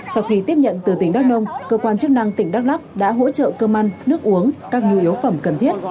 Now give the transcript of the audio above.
sau khi tiếp nhận từ tỉnh đắk nông cơ quan chức năng tỉnh đắk lắc đã hỗ trợ cơm ăn nước uống các nhu yếu phẩm cần thiết